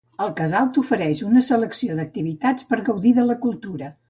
El Casal t'ofereix una selecció d'activitats per gaudir de la cultura.